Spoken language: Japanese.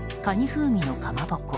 風味のかまぼこ